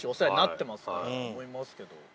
思いますけど。